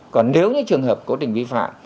còn nếu như trường hợp cố tình vi phạm